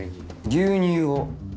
牛乳を。